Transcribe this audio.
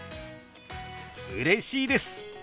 うれしいです！